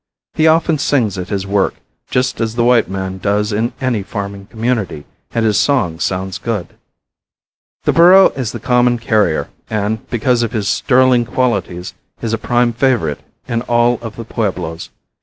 He often sings at his work, just as the white man does in any farming community, and his song sounds good. The burro is the common carrier and, because of his sterling qualities, is a prime favorite in all of the pueblos.